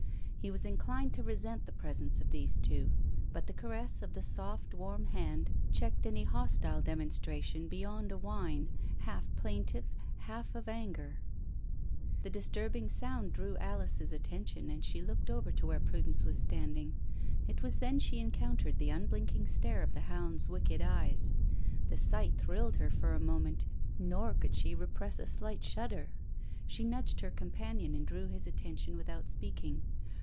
He was inclined to resent the presence of these two, but the caress of the soft, warm hand checked any hostile demonstration beyond a whine, half plaintive, half of anger. The disturbing sound drew Alice's attention, and she looked over to where Prudence was standing; it was then she encountered the unblinking stare of the hound's wicked eyes. The sight thrilled her for a moment, nor could she repress a slight shudder. She nudged her companion and drew his attention without speaking.